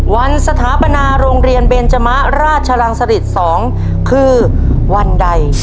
สถาปนาโรงเรียนเบนจมะราชรังสริต๒คือวันใด